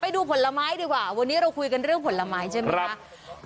ดูผลไม้ดีกว่าวันนี้เราคุยกันเรื่องผลไม้ใช่ไหมคะ